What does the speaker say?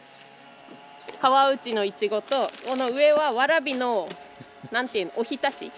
川内のいちごとこの上はわらびの何ていうのおひたし。